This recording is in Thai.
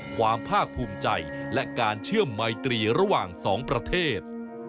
ความภาคภูมิใจและการเชื่อมไมตรีระหว่างสองประเทศ